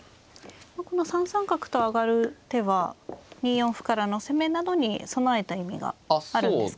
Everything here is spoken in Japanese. この３三角と上がる手は２四歩からの攻めなどに備えた意味があるんですか。